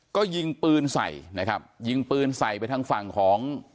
ก็ยิงปืนใส่นะครับยิงปืนใส่ไปทางฝั่งของ